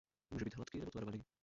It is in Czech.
Může být hladký nebo tvarovaný.